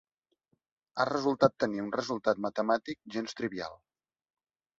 Ha resultat tenir un resultat matemàtic gens trivial.